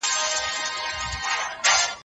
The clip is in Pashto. پخوانۍ ټولني له مطالعې پرته ډېر ستر زيان وليد.